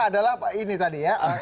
adalah ini tadi ya